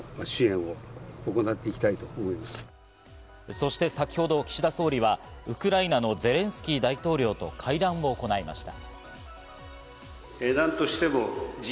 そして先ほど、岸田総理はウクライナのゼレンスキー大統領と会談を行いました。